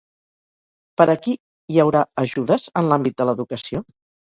Per a qui hi haurà ajudes, en l'àmbit de l'educació?